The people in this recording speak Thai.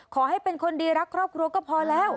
ขอให้เป็นคนดีรักครอบครัวก็พอแล้ว